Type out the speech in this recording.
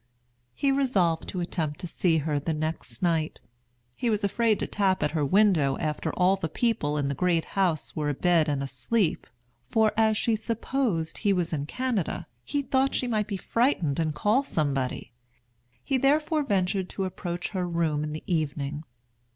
He resolved to attempt to see her the next night. He was afraid to tap at her window after all the people in the Great House were abed and asleep; for, as she supposed he was in Canada, he thought she might be frightened and call somebody. He therefore ventured to approach her room in the evening.